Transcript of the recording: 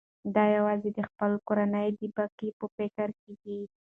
دی یوازې د خپلې کورنۍ د بقا په فکر کې و.